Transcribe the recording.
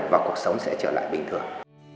và cuộc sống sẽ trở lại bình thường